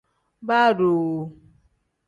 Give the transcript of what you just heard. Baa doo.